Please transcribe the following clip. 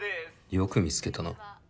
よく見つけたな。